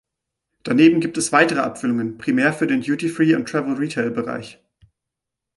Daneben gibt es weitere Abfüllungen, primär für den Duty-free- und Travel-Retail-Bereich.